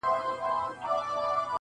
خوله خوله یمه خوږیږي مي د پښو هډونه -